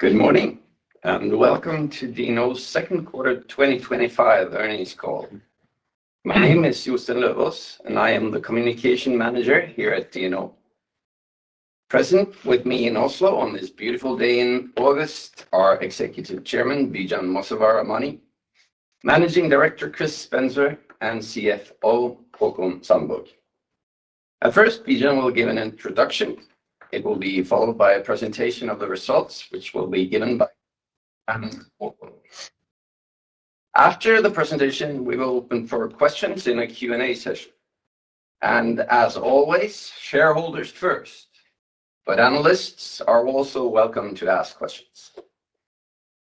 Good morning and welcome to DNO's Second Quarter 2025 Earnings call. My name is Jostein Løvås, and I am the Communication Manager here at DNO. Present with me in Oslo on this beautiful day in August are Executive Chairman Bijan Mossavar-Rahmani, Managing Director Chris Spencer, and CFO Haakon Sandborg. First, Bijan will give an introduction. It will be followed by a presentation of the results, which will be given by... After the presentation, we will open for questions in the Q&A session. As always, shareholders first, but analysts are also welcome to ask questions.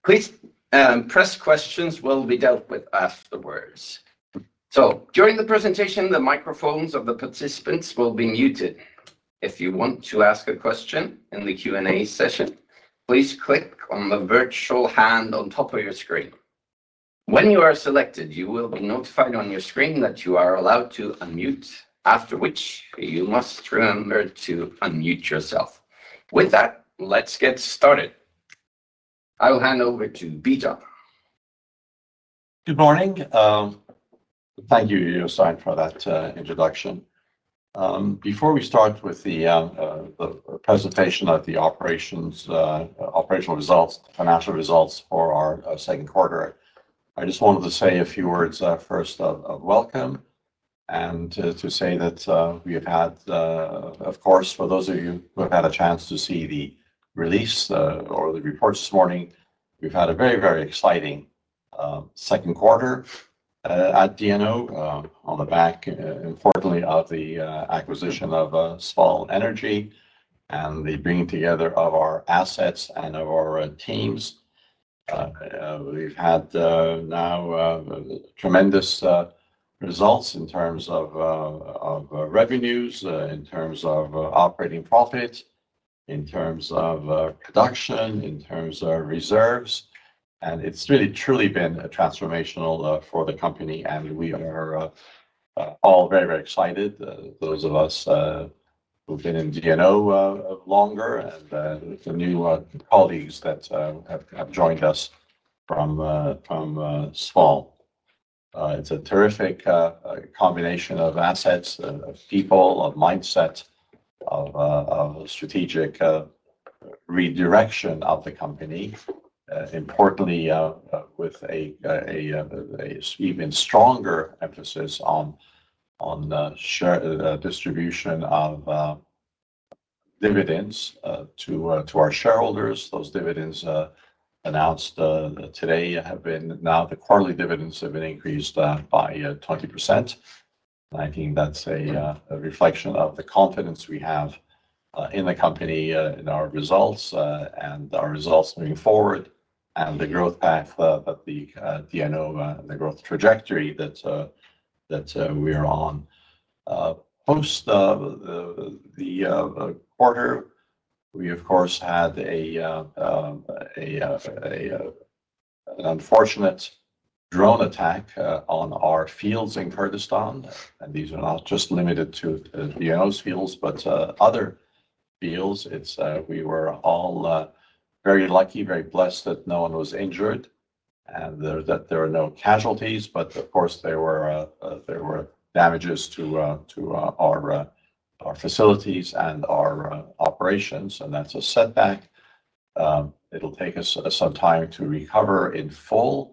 Please press. Questions will be dealt with afterwards. During the presentation, the microphones of the participants will be muted. If you want to ask a question in the Q&A session, please click on the virtual hand on top of your screen. When you are selected, you will be notified on your screen that you are allowed to unmute, after which you must remember to unmute yourself. With that, let's get started. I'll hand over to Bijan. Good morning. Thank you, Jostein, for that introduction. Before we start with the presentation of the operational results and financial results for our second quarter, I just wanted to say a few words first of welcome and to say that we have had, of course, for those of you who have had a chance to see the release or the report this morning, we've had a very, very exciting second quarter at DNO on the back, unfortunately, of the acquisition of Sval Energi and the bringing together of our assets and of our teams. We've had now tremendous results in terms of revenues, in terms of operating profits, in terms of production, in terms of reserves, and it's really truly been transformational for the company. We are all very, very excited, those of us who've been in DNO longer and the new colleagues that have joined us fromSval. It's a terrific combination of assets, of people, of mindset, of strategic redirection of the company. Importantly, with an even stronger emphasis on distribution of dividends to our shareholders. Those dividends announced today have been now the quarterly dividends have been increased by 20%. I think that's a reflection of the confidence we have in the company, in our results, and our results moving forward, and the growth path that the DNO and the growth trajectory that we are on. Post the quarter, we, of course, had an unfortunate drone attack on our fields in Kurdistan. These are not just limited to Bijan's fields, but other fields. We were all very lucky, very blessed that no one was injured and that there were no casualties. Of course, there were damages to our facilities and our operations, and that's a setback. It'll take us some time to recover in full.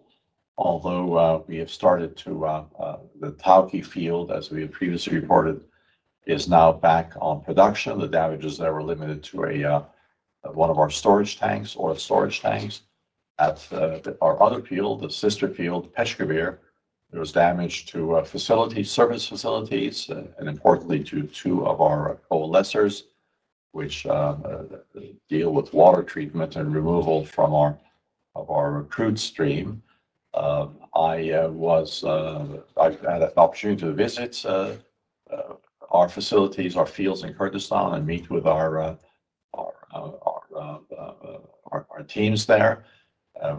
Although we have started to, the Tawke field, as we have previously reported, is now back on production. The damages that were limited to one of our storage tanks, oil storage tanks, that's our other field, the sister field, Peshkabir. There was damage to facilities, service facilities, and importantly to two of our coalescers, which deal with water treatment and removal from our crude stream. I had an opportunity to visit our facilities, our fields in Kurdistan, and meet with our teams there.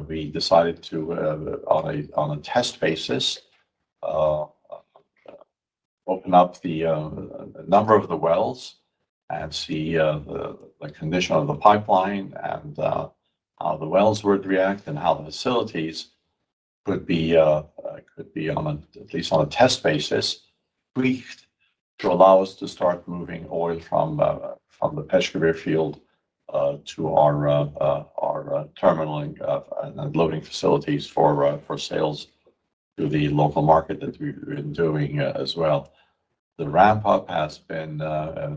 We decided to, on a test basis, open up the number of the wells and see the condition of the pipeline and how the wells would react and how the facilities could be, at least on a test basis, briefed to allow us to start moving oil from the Peshkabir field to our terminal and loading facilities for sales to the local market that we've been doing as well. The ramp-up has been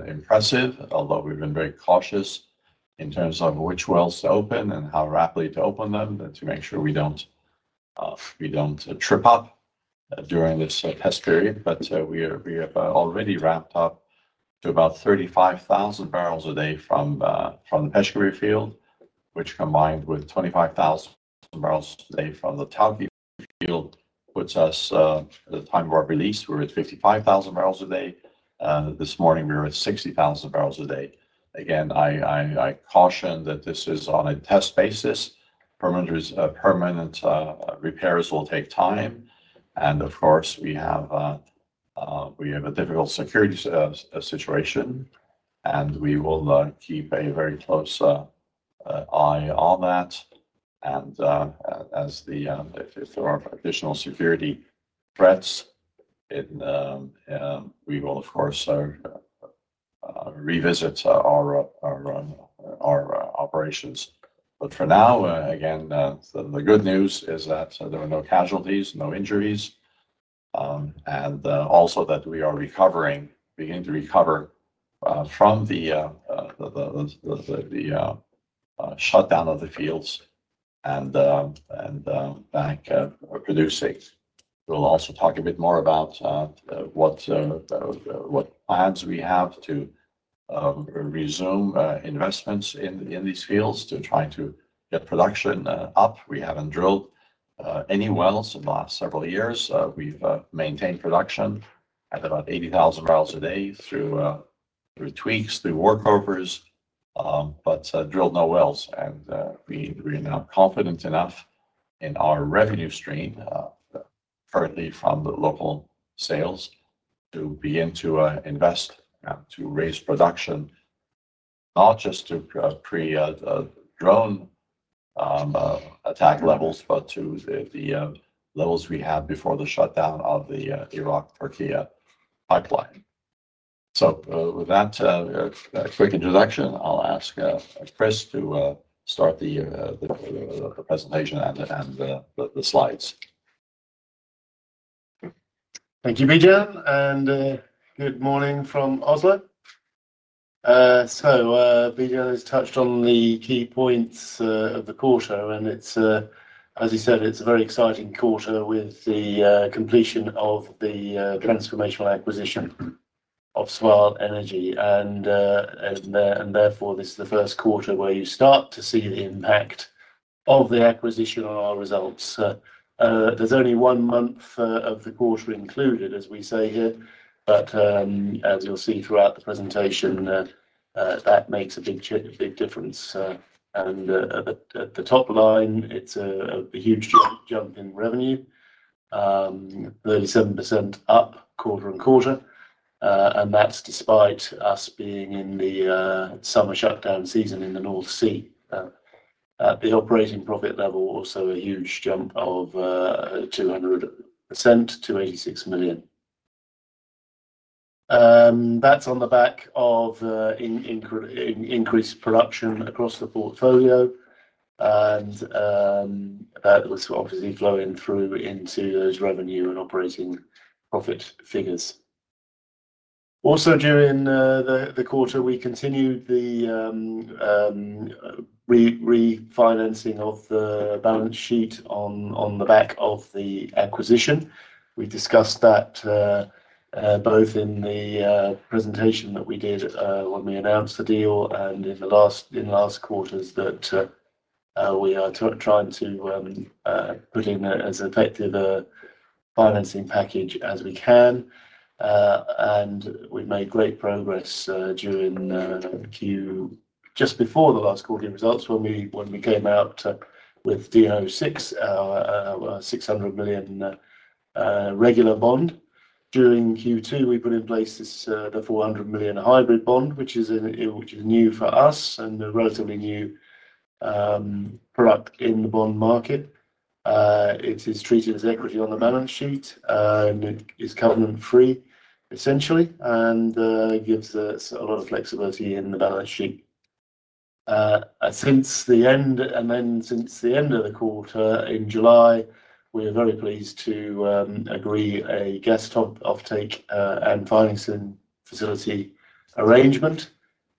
impressive, although we've been very cautious in terms of which wells to open and how rapidly to open them to make sure we don't trip up during this test period. We have already ramped up to about 35,000 bbls per day from the Tawke field, which combined with 25,000 bbls per day from the Tawke field puts us at the time of our release. We're at 55,000 bbls per day. This morning, we were at 60,000 bbls per day. I caution that this is on a test basis. Permanent repairs will take time. Of course, we have a difficult security situation, and we will keep a very close eye on that. As for additional security threats, we will, of course, revisit our operations. For now, the good news is that there were no casualties, no injuries, and also that we are recovering, beginning to recover from the shutdown of the fields and back producing. We'll also talk a bit more about what plans we have to resume investments in these fields to try to get production up. We haven't drilled any wells in the last several years. We've maintained production at about 80,000 bbls per day through tweaks, through workovers, but drilled no wells. We are now confident enough in our revenue stream currently from the local sales to begin to invest to raise production, not just to pre-drone attack levels, but to the lows we had before the shutdown of the Iraq-Turkey export pipeline. With that quick introduction, I'll ask Chris to start the presentation and the slides. Thank you, Bijan, and good morning from Oslo. Bijan has touched on the key points of the quarter, and it's, as he said, it's a very exciting quarter with the completion of the transformational acquisition of Sval Energi. Therefore, this is the first quarter where you start to see the impact of the acquisition on our results. There's only one month of the quarter included, as we say here, but as you'll see throughout the presentation, that makes a big difference. At the top line, it's a huge jump in revenue, 37% up quarter-on-quarter. That's despite us being in the summer shutdown season in the North Sea. The operating profit level, also a huge jump of 200% to $86 million. That's on the back of increased production across the portfolio, and that was obviously flowing through into those revenue and operating profit figures. Also, during the quarter, we continued the refinancing of the balance sheet on the back of the acquisition. We discussed that both in the presentation that we did when we announced the deal and in the last quarters that we are trying to put in as effective a financing package as we can. We've made great progress during Q2, just before the last quarterly results, when we came out with DNO06, $600 million regular bond. During Q2, we put in place the $400 million hybrid bond, which is new for us and a relatively new product in the bond market. It is treated as equity on the balance sheet and is government-free, essentially, and gives us a lot of flexibility in the balance sheet. Since the end, and then since the end of the quarter in July, we're very pleased to agree on a North Sea gas offtake and financing facility arrangement,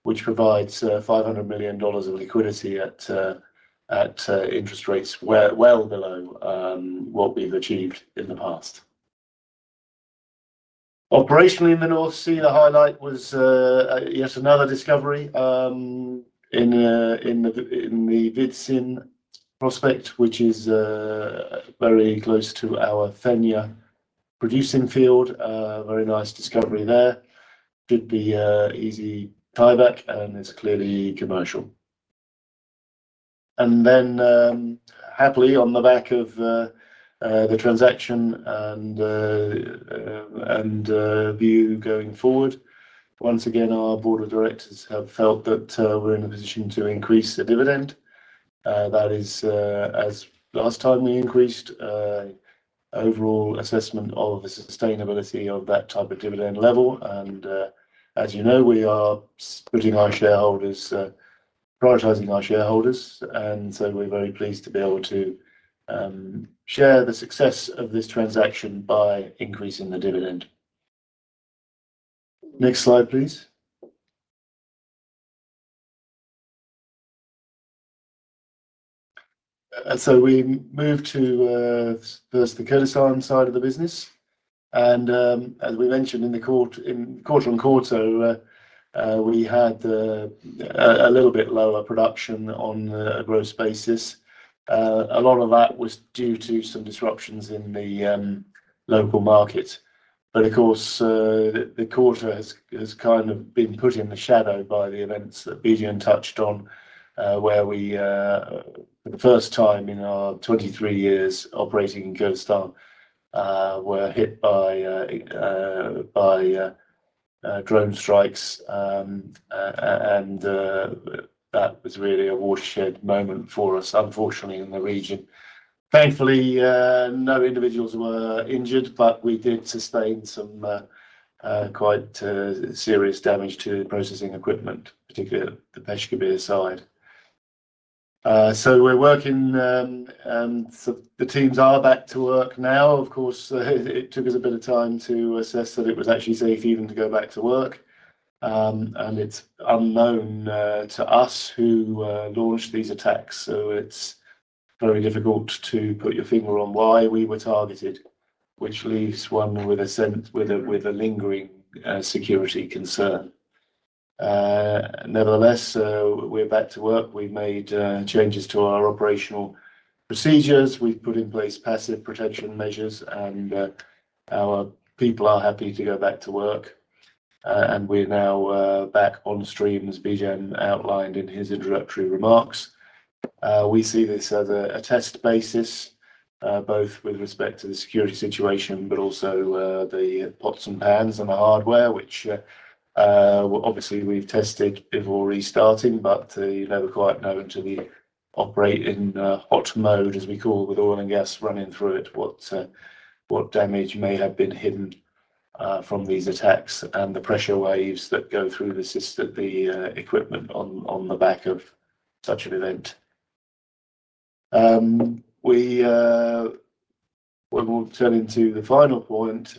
which provides $500 million of liquidity at interest rates well below what we've achieved in the past. Operationally in the North Sea, the highlight was, yes, another discovery in the Vidzyn prospect, which is very close to our Fenja producing field. Very nice discovery there. It did be an easy tieback, and it's clearly commercial. Happily, on the back of the transaction and view going forward, once again, our Board of Directors have felt that we're in a position to increase the dividend. That is, as last time we increased, the overall assessment of the sustainability of that type of dividend level. As you know, we are putting our shareholders, prioritizing our shareholders, and so we're very pleased to be able to share the success of this transaction by increasing the dividend. Next slide, please. We moved to first the Kurdistan side of the business. As we mentioned, in the quarter on quarter, we had a little bit lower production on a gross basis. A lot of that was due to some disruptions in the local markets. Of course, the quarter has kind of been put in the shadow by the events that Bijan touched on, where we, for the first time in our 23 years operating in Kurdistan, were hit by drone strikes. That was really a watershed moment for us, unfortunately, in the region. Thankfully, no individuals were injured, but we did sustain some quite serious damage to processing equipment, particularly the Peshkabir side. We're working, and the teams are back to work now. Of course, it took us a bit of time to assess that it was actually safe even to go back to work. It's unknown to us who launched these attacks. It's very difficult to put your finger on why we were targeted, which leaves one with a lingering security concern. Nevertheless, we're back to work. We've made changes to our operational procedures. We've put in place passive protection measures, and our people are happy to go back to work. We're now back on stream, as Bijan outlined in his introductory remarks. We see this as a test basis, both with respect to the security situation, but also the pots and pans and the hardware, which obviously we've tested before restarting, but you never quite know until you operate in hot mode, as we call, with oil and gas running through it, what damage may have been hidden from these attacks and the pressure waves that go through the system of the equipment on the back of such an event. We will turn into the final point.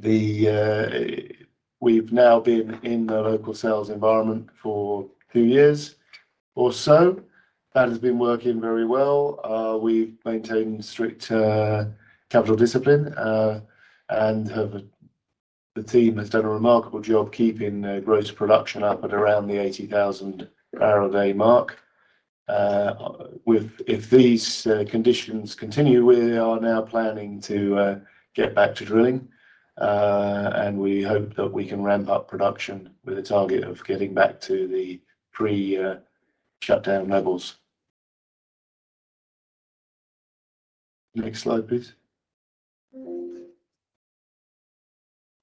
We've now been in the local sales environment for two years or so. That has been working very well. We've maintained strict capital discipline and the team has done a remarkable job keeping the gross production up at around the 80,000 bbls per day mark. If these conditions continue, we are now planning to get back to drilling, and we hope that we can ramp up production with a target of getting back to the pre-shutdown levels. Next slide, please.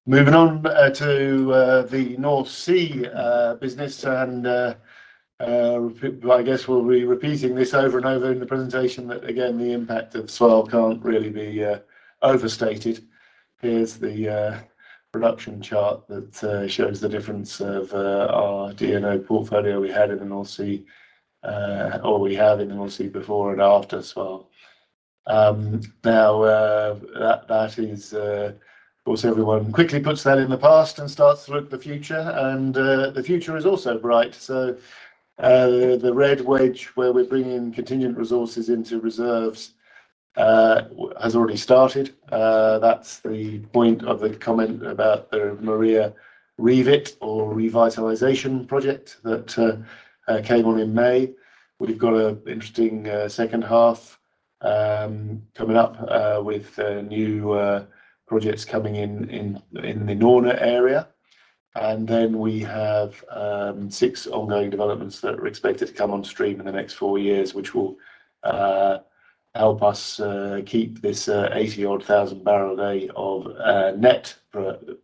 Moving on to the North Sea business, I guess we'll be repeating this over and over in the presentation that, again, the impact of Sval Energi can't really be overstated. Here's the production chart that shows the difference of our DNO portfolio we had in the North Sea or we have in the North Sea before and after Sval. That is, of course, everyone quickly puts that in the past and starts to look at the future, and the future is also bright. The red wedge where we're bringing contingent resources into reserves has already started. That's the point of the comment about the Maria Revit or revitalization project that came on in May. We've got an interesting second half coming up with new projects coming in in the Norna area. We have six ongoing developments that are expected to come on stream in the next four years, which will help us keep this 80-odd thousand barrels per day of net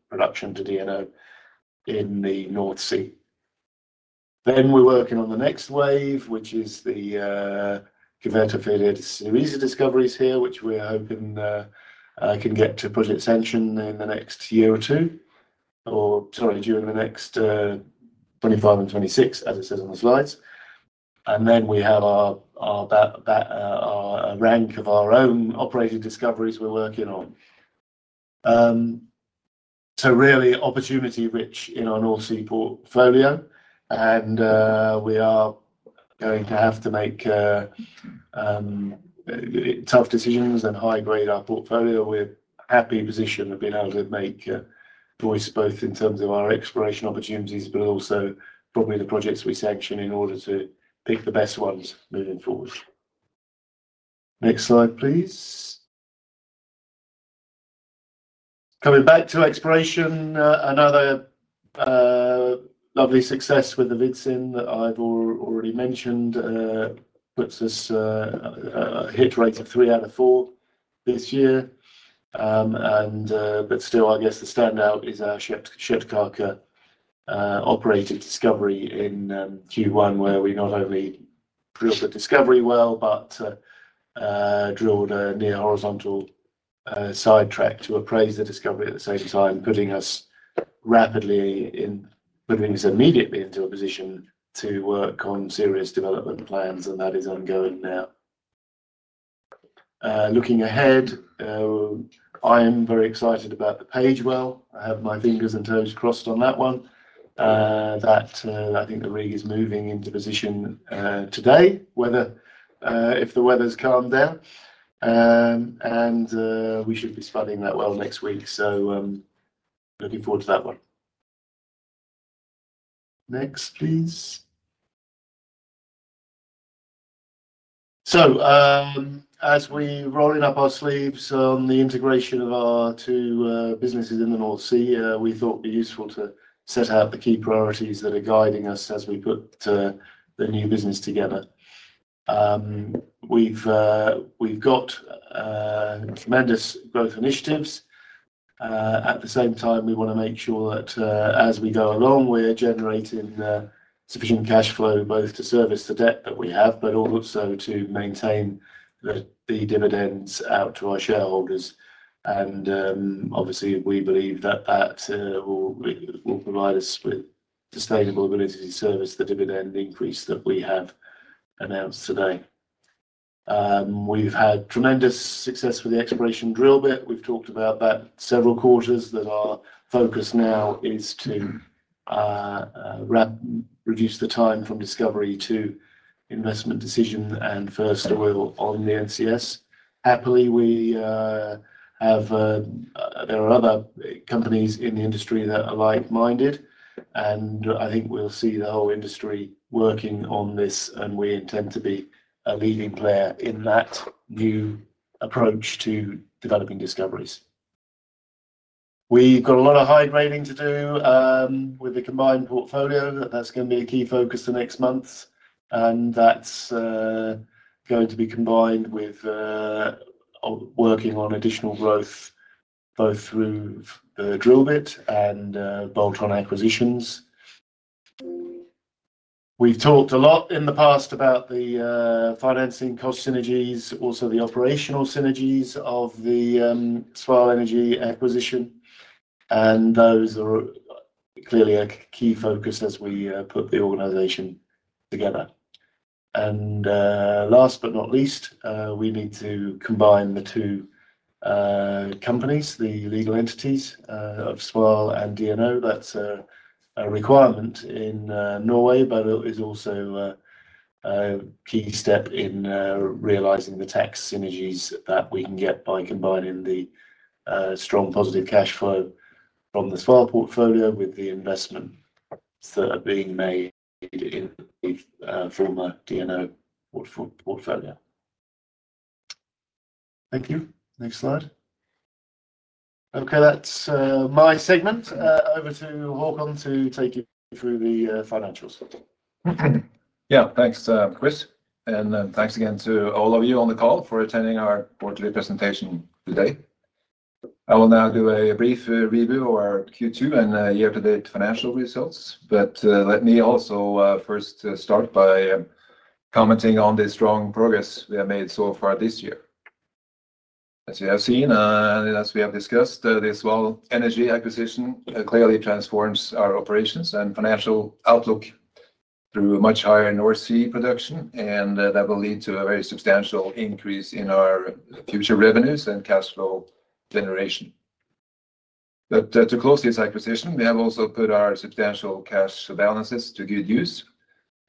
production to DNO in the North Sea. We are working on the next wave, which is the Cuvette affiliates and Visa discoveries here, which we are hoping can get to project sanction in the next year or two, or, sorry, during 2025 and 2026, as it says on the slides. We have our rank of our own operated discoveries we are working on. Really, opportunity rich in our North Sea portfolio, and we are going to have to make tough decisions and high grade our portfolio. We are happy in the position of being able to make choice both in terms of our exploration opportunities, but also probably the projects we section in order to pick the best ones moving forward. Next slide, please. Coming back to exploration, another lovely success with the Vidsyn that I have already mentioned puts us at a hit rate of three out of four this year. Still, I guess the standout is our Kjøttkake operated discovery in Q1, where we not only drilled the discovery well, but drilled a near horizontal sidetrack to appraise the discovery at the same time, putting us rapidly in, putting us immediately into a position to work on serious development plans, and that is ongoing now. Looking ahead, I am very excited about the Page well. I have my fingers and toes crossed on that one. I think the rig is moving into position today, if the weather is calm there. We should be spotting that well next week. I am looking forward to that one. Next, please. As we are rolling up our sleeves on the integration of our two businesses in the North Sea, we thought it would be useful to set out the key priorities that are guiding us as we put the new business together. We have got tremendous growth initiatives. At the same time, we want to make sure that as we go along, we are generating sufficient cash flow both to service the debt that we have, but also to maintain the dividends out to our shareholders. Obviously, we believe that will provide us with sustainable ability to service the dividend increase that we have announced today. We have had tremendous success with the exploration drill bit. We have talked about that several quarters. Our focus now is to reduce the time from discovery to investment decision and first oil on the NCS. Happily, there are other companies in the industry that are like-minded, and I think we'll see the whole industry working on this. We intend to be a leading player in that new approach to developing discoveries. We've got a lot of hydrating to do with the combined portfolio. That's going to be a key focus the next month, and that's going to be combined with working on additional growth both through the drill bit and bolt-on acquisitions. We've talked a lot in the past about the financing cost synergies, also the operational synergies of theSval Energy acquisition, and those are clearly a key focus as we put the organization together. Last but not least, we need to combine the two companies, the legal entities of Sval and DNO. That's a requirement in Norway, but it is also a key step in realizing the tax synergies that we can get by combining the strong positive cash flow from the Sval portfolio with the investment that are being made from our DNO portfio. Thank you. Next slide. Okay, that's my segment. Over to Haakon to take you through the financials. Yeah, thanks, Chris. Thanks again to all of you on the call for attending our quarterly presentation today. I will now do a brief review of our Q2 and year-to-date financial results. Let me also first start by commenting on the strong progress we have made so far this year. As we have seen and as we have discussed, the Sval Energi acquisition clearly transforms our operations and financial outlook through a much higher North Sea production, and that will lead to a very substantial increase in our future revenues and cash flow generation. To close this acquisition, we have also put our substantial cash balances to good use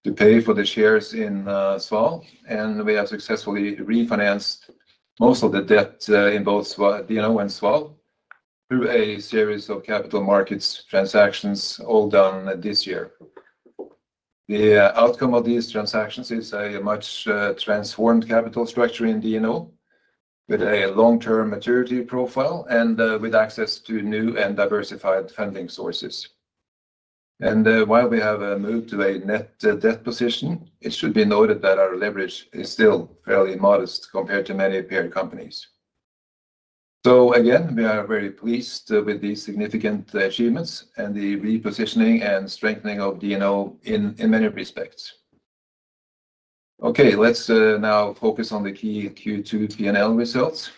to pay for the shares in Sval, and we have successfully refinanced most of the debt in both DNO and Sval through a series of capital markets transactions all done this year. The outcome of these transactions is a much transformed capital structure in DNO with a long-term maturity profile and with access to new and diversified funding sources. While we have moved to a net debt position, it should be noted that our leverage is still fairly modest compared to many peer companies. We are very pleased with these significant achievements and the repositioning and strengthening of DNO in many respects. Okay, let's now focus on the key Q2 P&L results,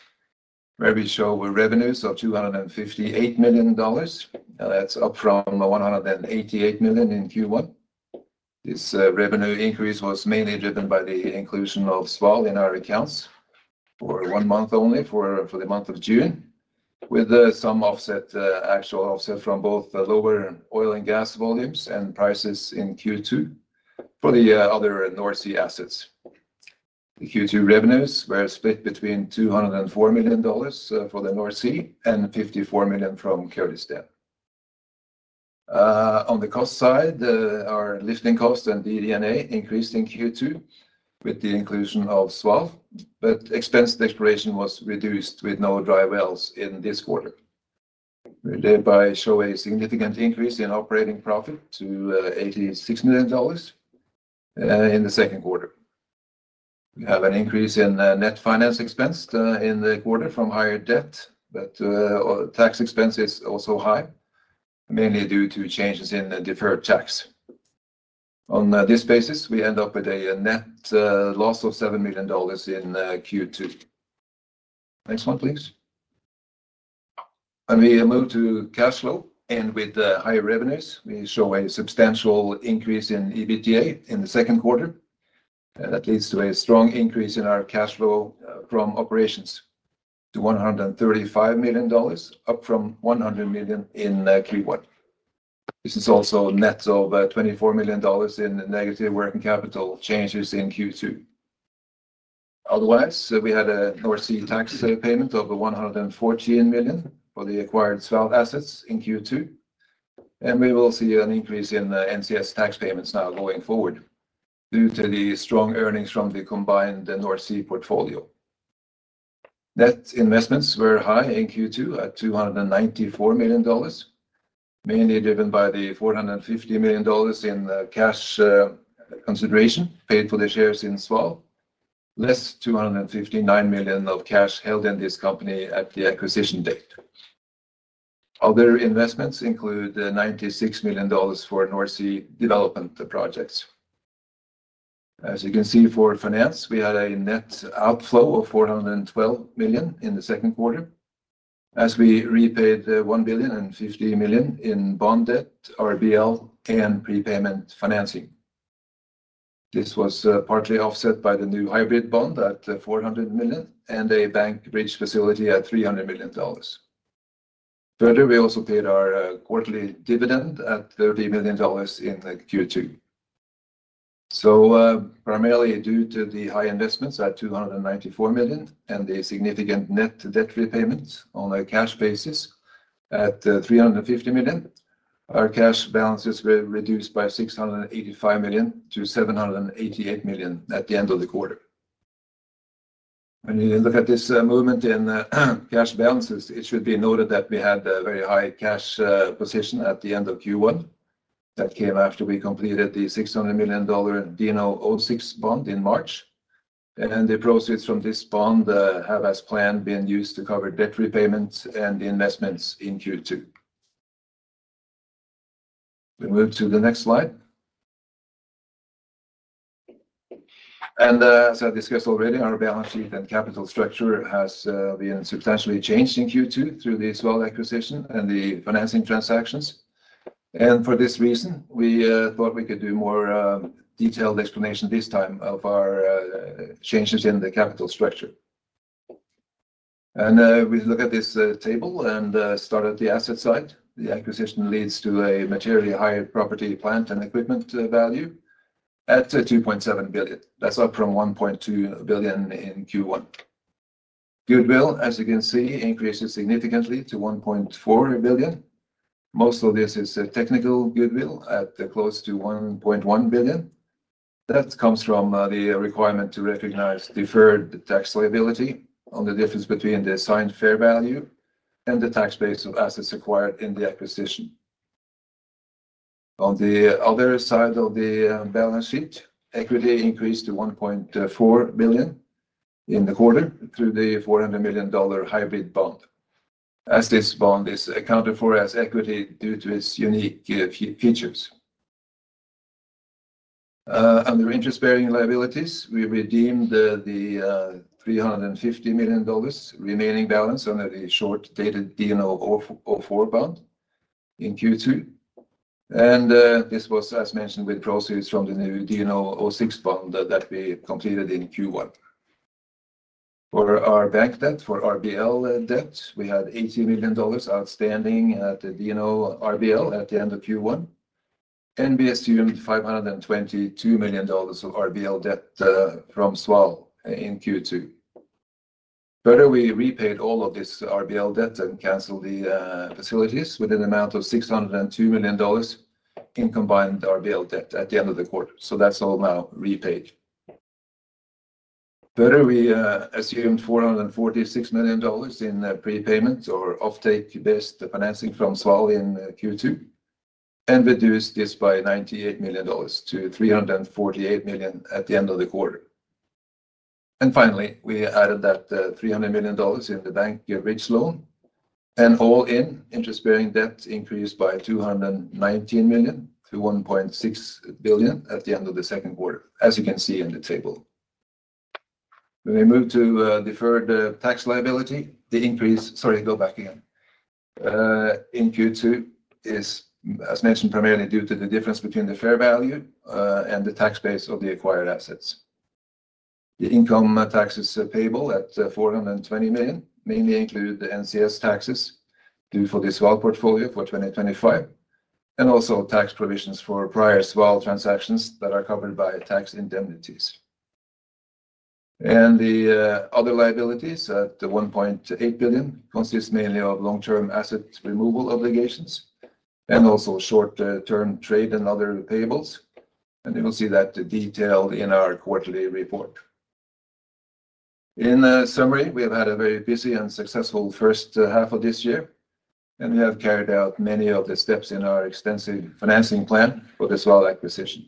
where we show revenues of $258 million, and that's up from $188 million in Q1. This revenue increase was mainly driven by the inclusion of Sval in our accounts for one month only for the month of June, with some actual offset from both lower oil and gas volumes and prices in Q2 for the other North Sea assets. The Q2 revenues were split between $204 million for the North Sea and $54 million from Kurdistan. On the cost side, our lifting costs and DD&A increased in Q2 with the inclusion of Sval, but expense declaration was reduced with no dry wells in this quarter. We thereby show a significant increase in operating profit to $86 million in the second quarter. We have an increase in net finance expense in the quarter from higher debt, but tax expense is also high, mainly due to changes in the deferred tax. On this basis, we end up with a net loss of $7 million in Q2. Next slide, please. We move to cash flow, and with higher revenues, we show a substantial increase in EBITDA in the second quarter, and that leads to a strong increase in our cash flow from operations to $135 million, up from $100 million in Q1. This is also a net of $24 million in negative working capital changes in Q2. Otherwise, we had a North Sea tax payment of $114 million for the acquired Sval assets in Q2, and we will see an increase in the NCS tax payments now going forward due to the strong earnings from the combined North Sea portfolio. Net investments were high in Q2 at $294 million, mainly driven by the $450 million in cash consideration paid for the shares in Sval, less $259 million of cash held in this company at the acquisition date. Other investments include $96 million for North Sea development projects. As you can see for finance, we had a net outflow of $412 million in the second quarter, as we repaid $1,050 million in bond debt, RBL, and prepayment financing. This was partly offset by the new hybrid bond at $400 million and a bank bridge facility at $300 million. Further, we also paid our quarterly dividend at $30 million in Q2. Primarily due to the high investments at $294 million and the significant net debt repayments on a cash basis at $350 million, our cash balances were reduced by $685 million to $788 million at the end of the quarter. If you look at this movement in cash balances, it should be noted that we had a very high cash position at the end of Q1. That came after we completed the $600 million DNO06 bond in March, and the proceeds from this bond have, as planned, been used to cover debt repayments and investments in Q2. We move to the next slide. As I discussed already, our balance sheet and capital structure has been substantially changed in Q2 through the Sval acquisition and the financing transactions. For this reason, we thought we could do a more detailed explanation this time of our changes in the capital structure. If we look at this table and start at the asset side, the acquisition leads to a materially high property, plant, and equipment value at $2.7 billion. That's up from $1.2 billion in Q1. Goodwill, as you can see, increases significantly to $1.4 billion. Most of this is technical goodwill at close to $1.1 billion. That comes from the requirement to recognize deferred tax liability on the difference between the assigned fair value and the tax base of assets acquired in the acquisition. On the other side of the balance sheet, equity increased to $1.4 billion in the quarter through the $400 million hybrid bond, as this bond is accounted for as equity due to its unique features. Under interest-bearing liabilities, we redeemed the $350 million remaining balance under the short-dated DNO04 bond in Q2. This was, as mentioned, with the proceeds from the new DNO06 bond that we completed in Q1. For our bank debt, for RBL debt, we had $80 million outstanding at the DNO RBL at the end of Q1. We assumed $522 million of RBL debt from Sval in Q2. Further, we repaid all of this RBL debt and canceled the facilities with an amount of $602 million in combined RBL debt at the end of the quarter. That's all now repaid. We assumed $446 million in prepayments or offtake-based financing from Sval in Q2 and reduced this by $98 million to $348 million at the end of the quarter. Finally, we added that $300 million in the bank bridge loan, and all in, interest-bearing debt increased by $219 million to $1.6 billion at the end of the second quarter, as you can see in the table. When we move to deferred tax liability, the increase in Q2 is, as mentioned, primarily due to the difference between the fair value and the tax base of the acquired assets. The income taxes payable at $420 million mainly include the NCS taxes due for the Sval portfolio for 2025, and also tax provisions for prior Sval transactions that are covered by tax indemnities. The other liabilities at $1.8 billion consist mainly of long-term assets removal obligations and also short-term trade and other payables. You will see that detailed in our quarterly report. In summary, we have had a very busy and successful first half of this year, and we have carried out many of the steps in our extensive financing plan for the Sval acquisition.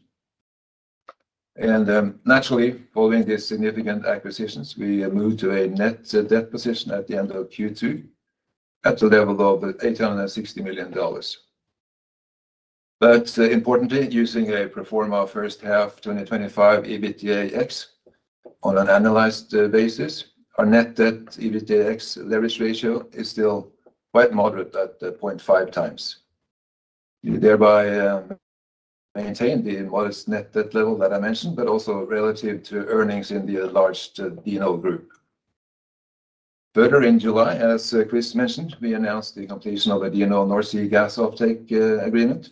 Naturally, following these significant acquisitions, we moved to a net debt position at the end of Q2 at the level of $860 million. Importantly, using a pro forma first half 2025 EBITDAX on an annualized basis, our net debt EBITDAX leverage ratio is still quite moderate at 0.5x. We thereby maintain the invoice net debt level that I mentioned, but also relative to earnings in the enlarged DNO group. Further, in July, as Chris mentioned, we announced the completion of the DNO North Sea gas offtake agreement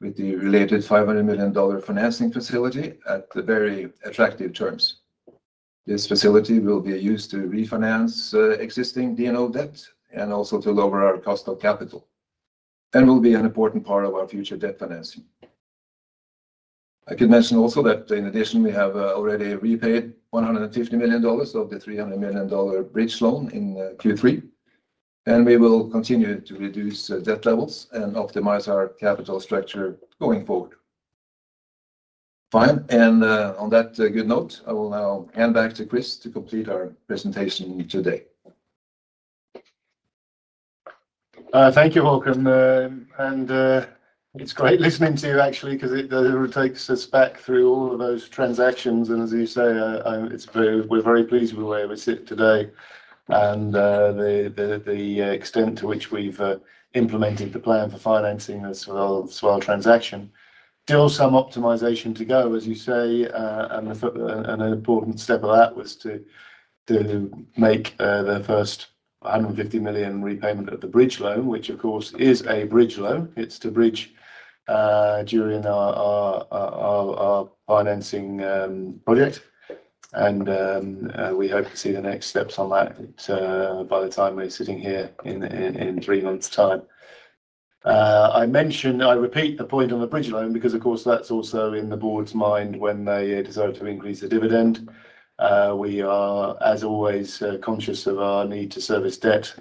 with the related $500 million financing facility at very attractive terms. This facility will be used to refinance existing DNO debt and also to lower our cost of capital and will be an important part of our future debt financing. I could mention also that in addition, we have already repaid $150 million of the $300 million bridge loan in Q3, and we will continue to reduce debt levels and optimize our capital structure going forward. On that good note, I will now hand back to Chris to complete our presentation today. Thank you, Haakon. It's great listening to you, actually, because it takes us back through all of those transactions. As you say, we're very pleased with where we sit today and the extent to which we've implemented the plan for financing the Sval transaction. Still some optimization to go, as you say. An important step of that was to make the first $150 million repayment of the bridge loan, which of course is a bridge loan. It's to bridge during our financing project. We hope to see the next steps on that by the time we're sitting here in three months' time. I mentioned, I repeat the point on the bridge loan because of course that's also in the board's mind when they deserve to increase the dividend. We are, as always, conscious of our need to service debt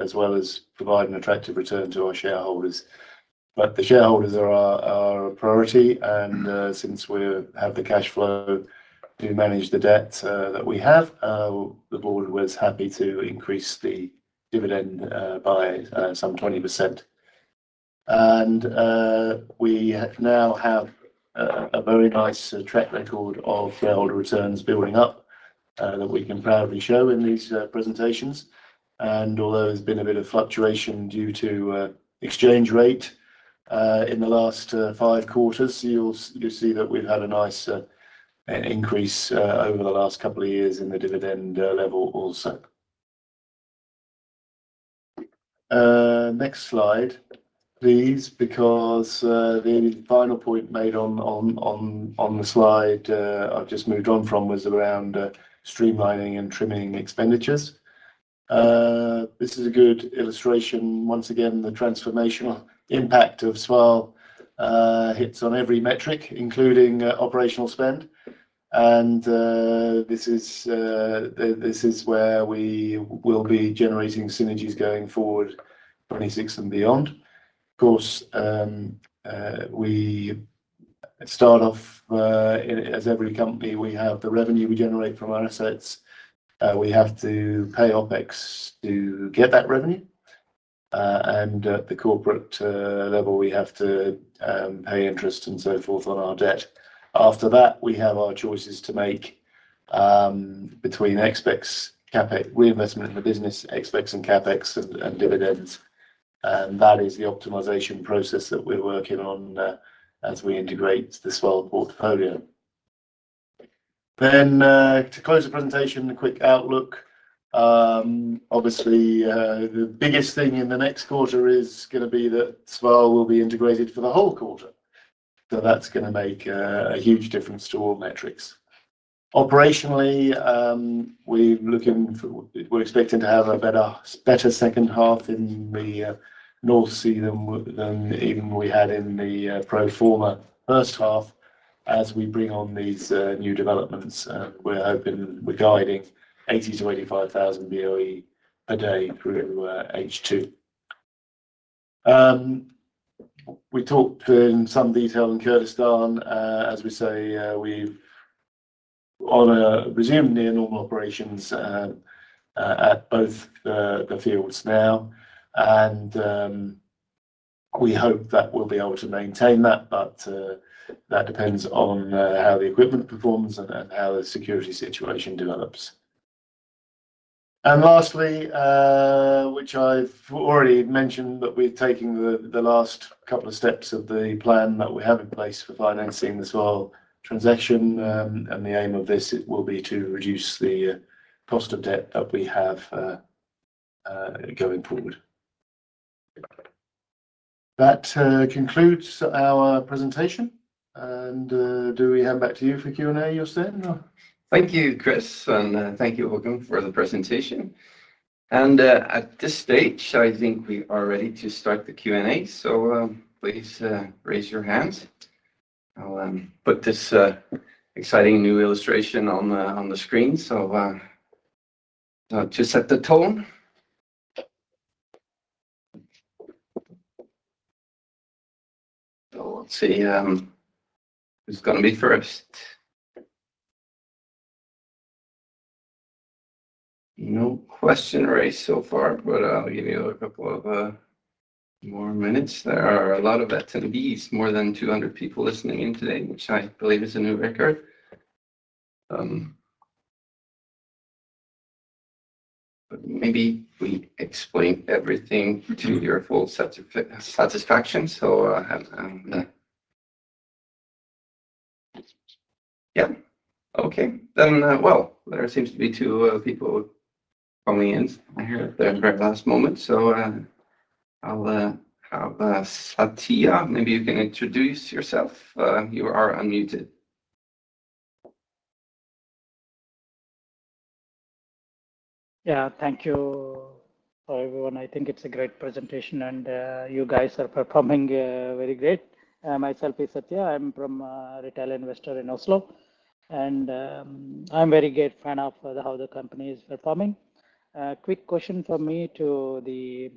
as well as provide an attractive return to our shareholders. The shareholders are our priority. Since we have the cash flow to manage the debt that we have, the board was happy to increase the dividend by some 20%. We now have a very nice track record of shareholder returns building up that we can proudly show in these presentations. Although there's been a bit of fluctuation due to exchange rate in the last five quarters, you'll see that we've had a nice increase over the last couple of years in the dividend level also. Next slide, please, because the final point made on the slide I've just moved on from was around streamlining and trimming expenditures. This is a good illustration. Once again, the transformational impact of Sval hits on every metric, including operational spend. This is where we will be generating synergies going forward, 2026 and beyond. Of course, we start off, as every company, we have the revenue we generate from our assets. We have to pay OpEx to get that revenue. At the corporate level, we have to pay interest and so forth on our debt. After that, we have our choices to make between OpEx, CapEx, reinvestment in the business, OpEx and CapEx, and dividends. That is the optimization process that we're working on as we integrate the Sval portfolio. To close the presentation, the quick outlook. Obviously, the biggest thing in the next quarter is going to be thatSval will be integrated for the whole quarter. That's going to make a huge difference to all metrics. Operationally, we're looking forward, we're expecting to have a better second half in really North Sea than even we had in the pro forma first half. As we bring on these new developments, we're hoping we're guiding 80,000-85,000 BOE a day through H2. We talked in some detail in Kurdistan. As we say, we've resumed near normal operations at both the fields now. We hope that we'll be able to maintain that, but that depends on how the equipment performs and how the security situation develops. Lastly, which I've already mentioned, we're taking the last couple of steps of the plan that we have in place for financing theSval transaction. The aim of this will be to reduce the cost of debt that we have going forward. That concludes our presentation. Do we hand back to you for Q&A, Jostein? Thank you, Chris, and thank you, Haakon, for the presentation. At this stage, I think we are ready to start the Q&A. Please raise your hands. I'll put this exciting new illustration on the screen to set the tone. Let's see. Who's going to be first? No question raised so far. I'll give you a couple more minutes. There are a lot of attendees, more than 200 people listening in today, which I believe is a new record. Maybe we explained everything to your full satisfaction. There seem to be two people coming in here at the very last moment. I'll have Satiya. Maybe you can introduce yourself. You are unmuted. Thank you for everyone. I think it's a great presentation, and you guys are performing very great. Myself is Satiya. I'm from a retail investor in Oslo, and I'm a very great fan of how the company is performing. A quick question for me to the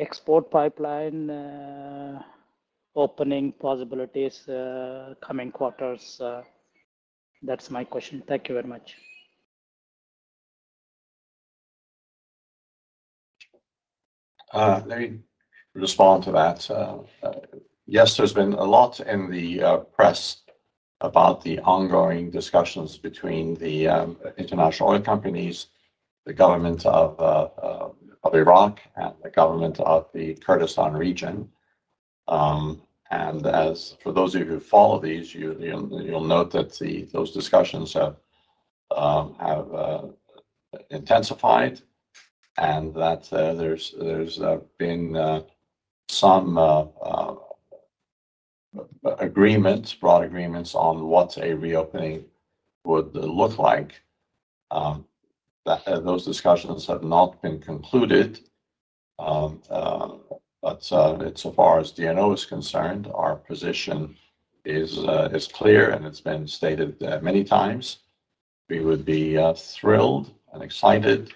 export pipeline opening possibilities coming quarters. That's my question. Thank you very much. Let me respond to that. Yes, there's been a lot in the press about the ongoing discussions between the international oil companies, the government of Iraq, and the government of the Kurdistan region. As for those of you who follow these, you'll note that those discussions have intensified and that there's been some agreements, broad agreements on what a reopening would look like. Those discussions have not been concluded. As far as DNO is concerned, our position is clear, and it's been stated many times. We would be thrilled and excited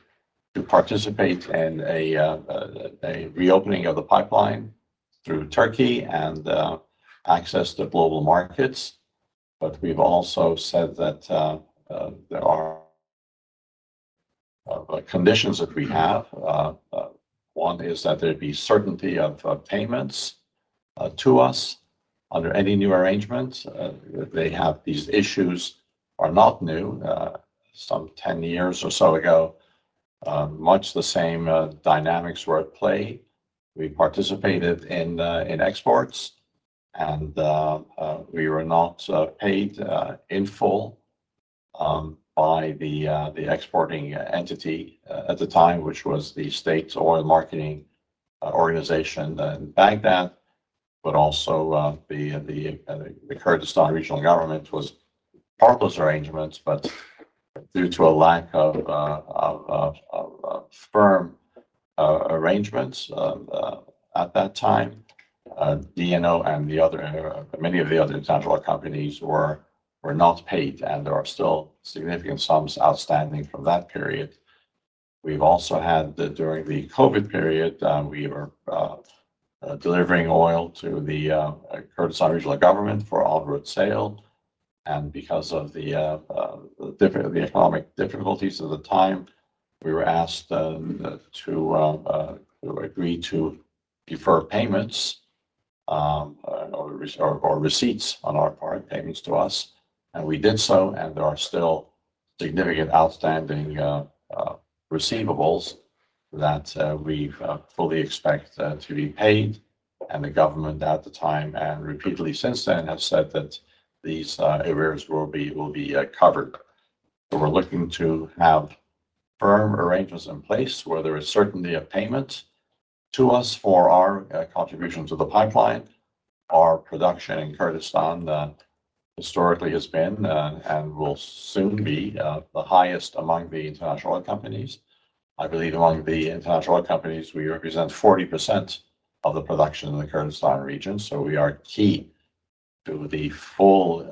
to participate in a reopening of the pipeline and access to global markets. We've also said that the conditions that we have, one is that there'd be certainty of payments to us under any new arrangement. These issues are not new. Some 10 years or so ago, much the same dynamics were at play. We participated in exports, and we were not paid in full by the exporting entity at the time, which was the state oil marketing organization back then. The Kurdistan regional government was also part of those arrangements, but due to a lack of firm arrangements at that time, DNO and many of the other international oil companies were not paid, and there are still significant sums outstanding from that period. During the COVID period, we were delivering oil to the Kurdistan regional government for on-road sale. Because of the economic difficulties at the time, we were asked to agree to defer payments or receipts on our part, payments to us. We did so, and there are still significant outstanding receivables that we fully expect to be paid. The government at the time, and repeatedly since then, have said that these arrears will be covered. We're looking to have firm arrangements in place where there is certainty of payment to us for our contribution to the pipeline, our production in Kurdistan that historically has been and will soon be the highest among the international oil companies. I believe among the international oil companies, we represent 40% of the production in the Kurdistan region. We are key to the full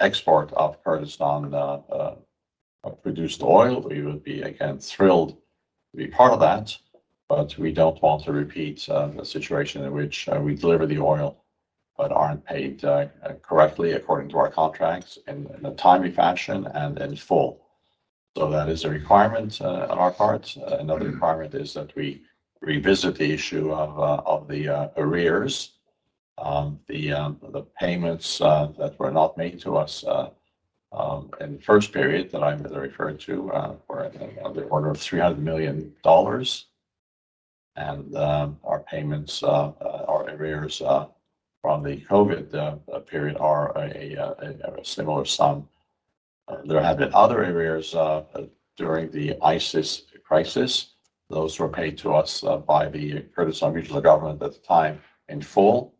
export of Kurdistan-produced oil. We would be, again, thrilled to be part of that, but we don't want to repeat a situation in which we deliver the oil but aren't paid correctly according to our contracts in a timely fashion and in full. That is a requirement on our part. Another requirement is that we revisit the issue of the arrears, the payments that were not made to us in the first period that I'm referring to, where they're under $300 million. Our payments, our arrears from the COVID period are a similar sum. There have been other arrears during the ISIS crisis. Those were paid to us by the Kurdistan Regional Government at the time in full.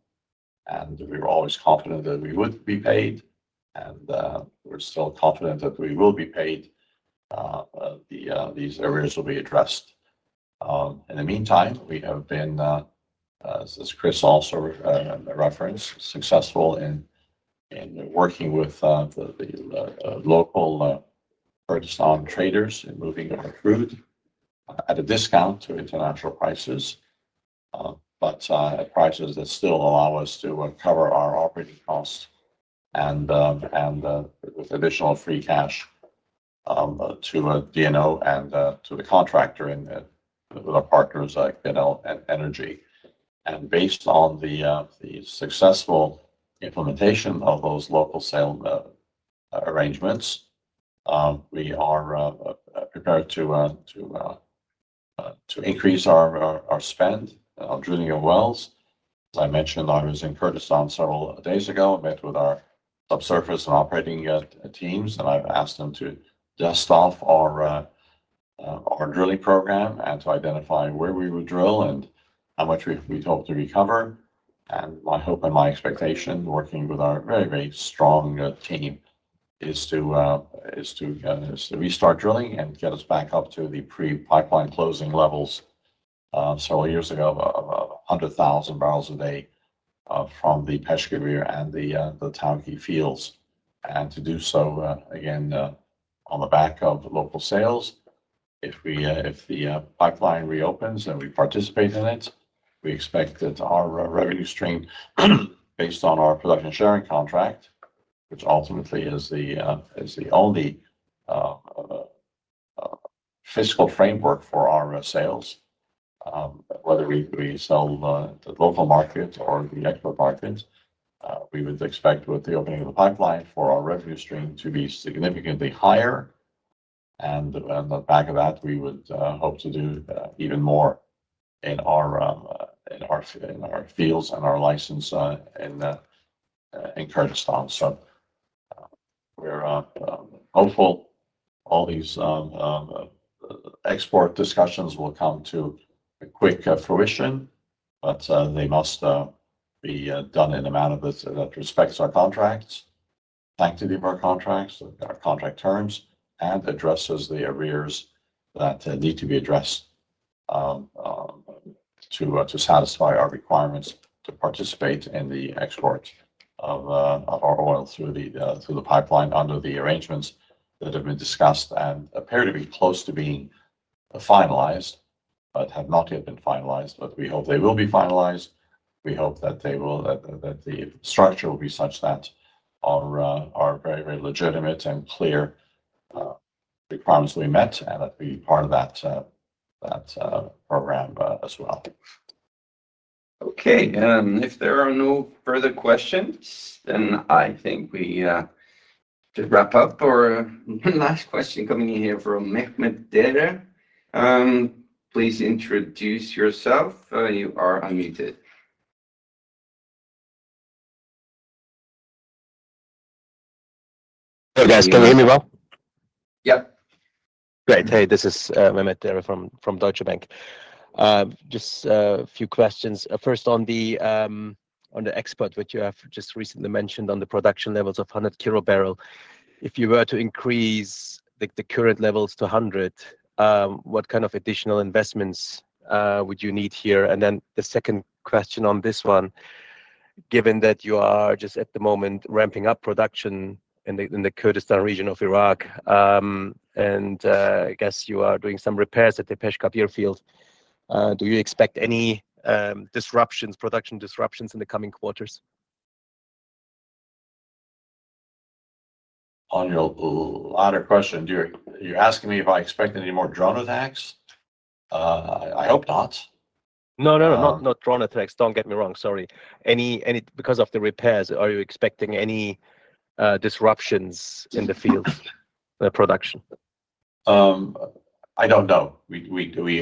We were always confident that we would be paid, and we're still confident that we will be paid. These arrears will be addressed. In the meantime, we have been, as Chris also referenced, successful in working with the local Kurdistan traders in moving our crude at a discount to international prices, but prices that still allow us to cover our operating costs and additional free cash to DNO and to the contractor and with our partners like DNO Energy. Based on the successful implementation of those local sale arrangements, we are prepared to increase our spend on drilling of wells. As I mentioned, I was in Kurdistan several days ago, met with our subsurface and operating teams, and I've asked them to dust off our drilling program and to identify where we would drill and how much we hope to recover. My hope and my expectation, working with our very, very strong team, is to restart drilling and get us back up to the pre-pipeline closing levels. Several years ago, 100,000 bbls per day from the Peshkabir and the Tawke fields. To do so, again, on the back of local sales. If the pipeline reopens and we participate in it, we expect that our revenue stream, based on our production sharing contract, which ultimately is the only fiscal framework for our sales, whether we sell the local market or the export market, we would expect with the opening of the pipeline for our revenue stream to be significantly higher. On the back of that, we would hope to do even more in our fields and our license in Kurdistan. We're hopeful all these export discussions will come to quick fruition, but they must be done in a manner that respects our contracts, activate our contracts, contract terms, and addresses the arrears that need to be addressed to satisfy our requirements to participate in the export of our oil through the pipeline under the arrangements that have been discussed and appear to be close to being finalized, but have not yet been finalized. We hope they will be finalized. We hope that the structure will be such that our very, very legitimate and clear requirements will be met and that we be part of that program as well. If there are no further questions, I think we wrap up. Our last question coming in here from Mehmet Dere. Please introduce yourself. You are unmuted. Hello, guys. Can you hear me well? Yep. Great. Hey, this is Mehmet Dere from Deutsche Bank. Just a few questions. First, on the export, which you have just recently mentioned on the production levels of 100 kilo barrel per day, if you were to increase the current levels to 100 kilo barrel, what kind of additional investments would you need here? The second question on this one, given that you are just at the moment ramping up production in the Kurdistan region of Iraq, and I guess you are doing some repairs at the Peshkabir field. Do you expect any production disruptions in the coming quarters? On your latter question, you're asking me if I expect any more drone attacks. I hope not. No, not drone attacks. Don't get me wrong. Sorry. Because of the repairs, are you expecting any disruptions in the field production? I don't know. We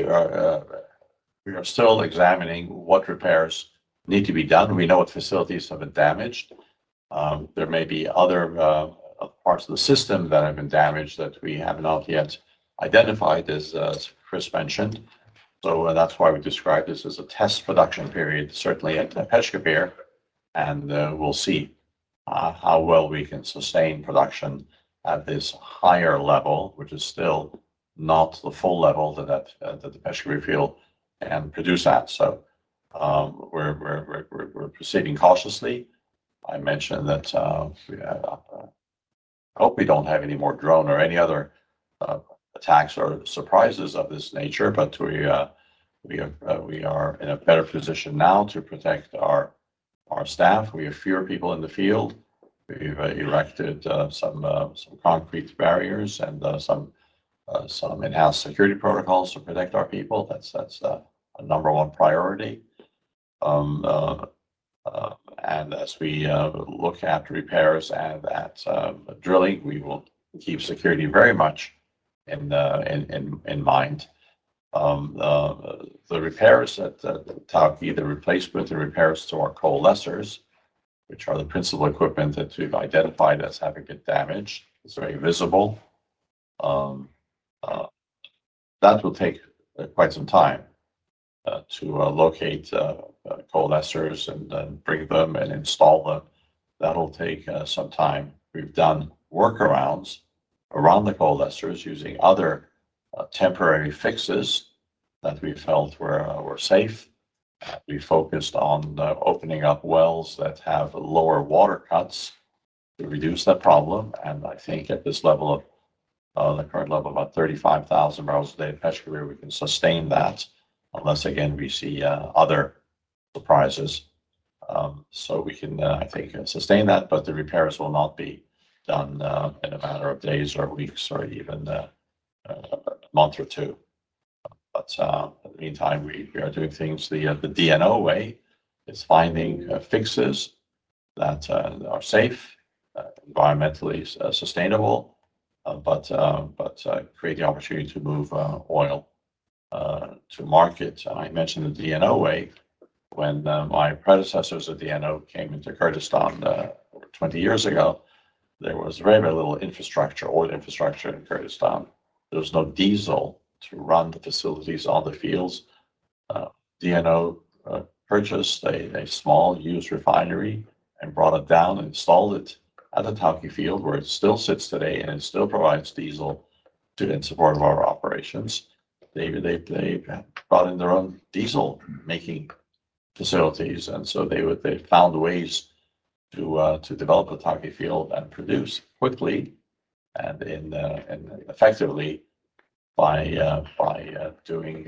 are still examining what repairs need to be done. We know what facilities have been damaged. There may be other parts of the system that have been damaged that we have not yet identified, as Chris mentioned. That's why we describe this as a test production period, certainly at Peshkabir. We'll see how well we can sustain production at this higher level, which is still not the full level that the Peshkabir field can produce at. We're proceeding cautiously. I mentioned that I hope we don't have any more drone or any other attacks or surprises of this nature, but we are in a better position now to protect our staff. We have fewer people in the field. We've erected some concrete barriers and some in-house security protocols to protect our people. That's the number one priority. As we look after repairs and at drilling, we will keep security very much in mind. The repairs at Talki are the replacement repairs to our coalescers, which are the principal equipment that we've identified as having been damaged. It's very visible. That will take quite some time to locate coalescers and then bring them and install them. That'll take some time. We've done workarounds around the coalescers using other temporary fixes that we felt were safe. We focused on opening up wells that have lower water cuts to reduce that problem. I think at this level of the current level of 35,000 bbls per day at Peshkabir, we can sustain that unless, again, we see other surprises. We can, I think, sustain that, but the repairs will not be done in a matter of days or weeks or even a month or two. In the meantime, we are doing things the DNO way. It's finding fixes that are safe, environmentally sustainable, but create the opportunity to move oil to market. I mentioned the DNO way. When my predecessors of DNO came into Kurdistan 20 years ago, there was very little infrastructure, old infrastructure in Kurdistan. There was no diesel to run the facilities on the fields. DNO purchased a small used refinery and brought it down and installed it at the Tawke field where it still sits today and still provides diesel in support of our operations. They brought in their own diesel-making facilities, and they found ways to develop the Tawke field and produce quickly and effectively by doing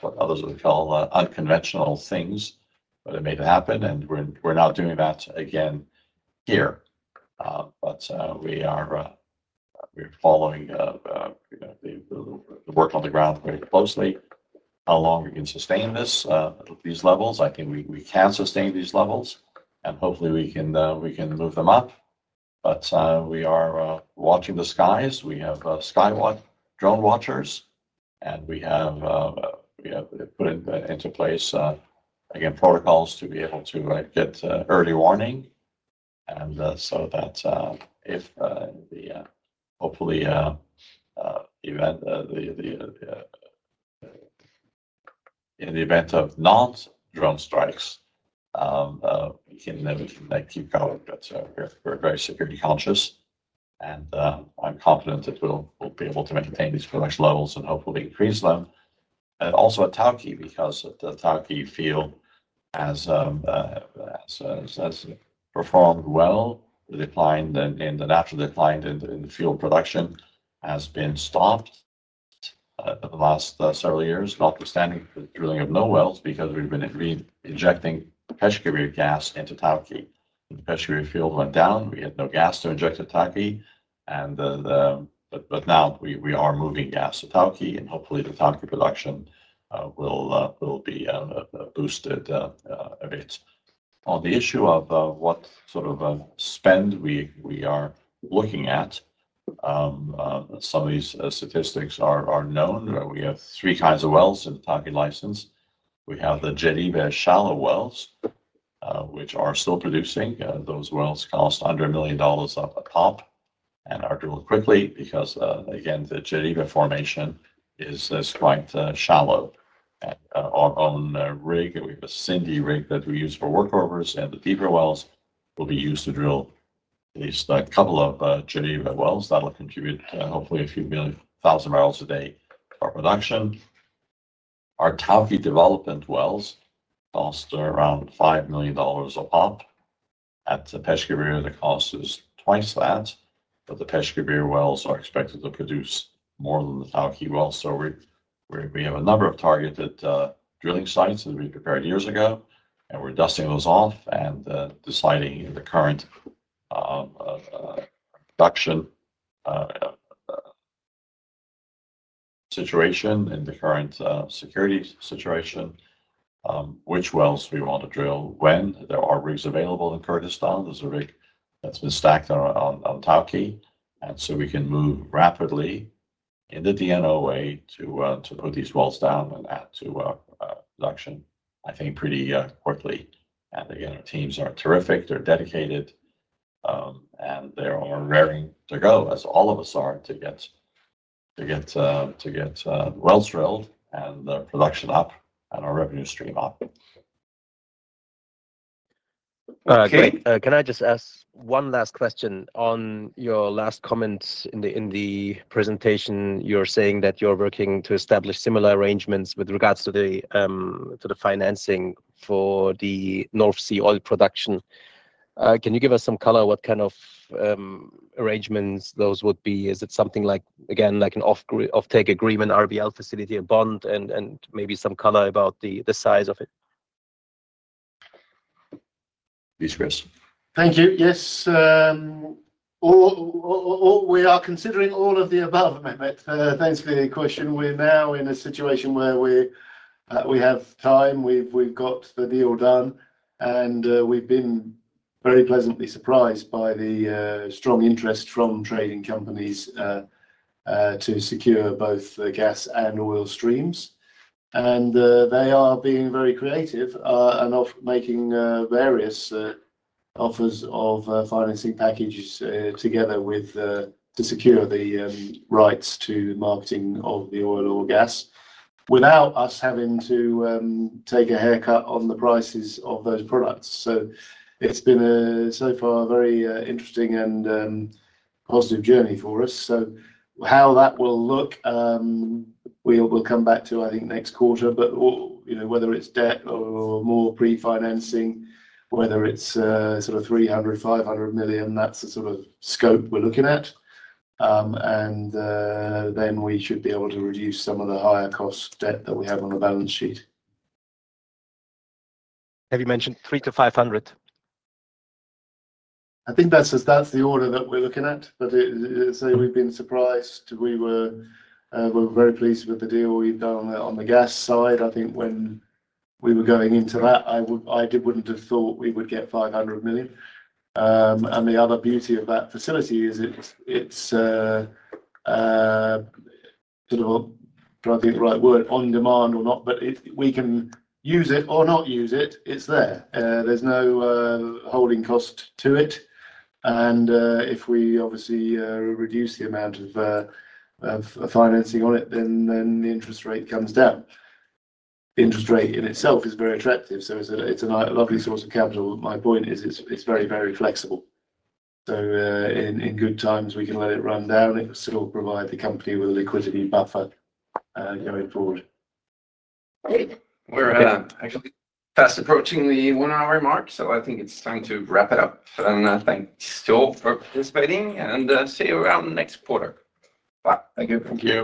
what others would call unconventional things, but it made it happen. We're now doing that again here. We're following work on the ground very closely. How long we can sustain this at these levels? I think we can sustain these levels, and hopefully we can move them up. We are watching the skies. We have sky drone watchers, and we have put into place, again, protocols to be able to get early warning. If, hopefully, in the event of not drone strikes, we can keep going. We're very security conscious, and I'm confident that we'll be able to maintain these production levels and hopefully increase them. Also at Tawke, because the Tawke field has performed well. The natural decline in the field production has been stopped in the last several years after standing drilling of no wells because we've been injecting Peshkabir gas into Tawke. When the Peshkabir field went down, we had no gas to inject at Tawke. Now we are moving gas to Tawke, and hopefully the Tawke production will be boosted a bit. On the issue of what sort of spend we are looking at, some of these statistics are known. We have three kinds of wells in the Tawke license. We have the Geneva shallow wells, which are still producing. Those wells cost under $1 million up top and are drilled quickly because, again, the Geneva formation is quite shallow. On our own rig, we have a Sindy rig that we use for workovers, and the deeper wells will be used to drill these couple of Geneva wells that will contribute hopefully a few million thousand barrels a day for production. Our Tawke development wells cost around $5 million up. At Peshkabir, the cost is twice that, but the Peshkabir wells are expected to produce more than the Tawke wells. We have a number of targeted drilling sites that we prepared years ago, and we're dusting those off and deciding, given the current production situation and the current security situation, which wells we want to drill when there are rigs available in Kurdistan. There's a rig that's been stacked on Tawke, and we can move rapidly in the DNO way to put these wells down and add to production, I think, pretty quickly. Our teams are terrific. They're dedicated, and they are ready to go, as all of us are, to get wells drilled and the production up and our revenue stream up. Can I just ask one last question? On your last comments in the presentation, you're saying that you're working to establish similar arrangements with regards to the financing for the North Sea oil production. Can you give us some color? What kind of arrangements those would be? Is it something like, again, like an offtake agreement, RBL facility, a bond, and maybe some color about the size of it? Yes, Chris. Thank you. Yes. We are considering all of the above, Mehmet. Thanks for the question. We are now in a situation where we have time. We have got the deal done, and we have been very pleasantly surprised by the strong interest from trading companies to secure both the gas and oil streams. They are being very creative and making various offers of financing packages together to secure the rights to marketing of the oil or gas without us having to take a haircut on the prices of those products. It has been so far a very interesting and positive journey for us. How that will look, we will come back to, I think, next quarter. Whether it is debt or more pre-financing, whether it is sort of $300 million, $500 million, that is the sort of scope we are looking at. We should be able to reduce some of the higher cost debt that we have on the balance sheet. Have you mentioned $300 million-$500 million? I think that's the order that we're looking at. We've been surprised. We were very pleased with the deal we've done on the gas side. I think when we were going into that, I wouldn't have thought we would get $500 million. The other beauty of that facility is it's sort of, trying to think of the right word, on demand or not. We can use it or not use it. It's there. There's no holding cost to it. If we obviously reduce the amount of financing on it, then the interest rate comes down. The interest rate in itself is very attractive. It's a lovely source of capital. My point is it's very, very flexible. In good times, we can let it run down. It'll provide the company with a liquidity buffer going forward. We're actually fast approaching the one-hour mark. I think it's time to wrap it up. I thank you still for participating, and see you around next quarter. Bye. Thank you.